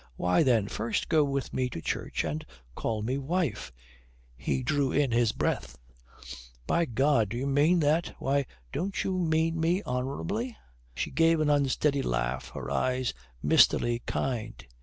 "Why then, first go with me to church and call me wife!" He drew in his breath. "By God, do you mean that?" "Why, don't you mean me honourably?" She gave an unsteady laugh, her eyes mistily kind.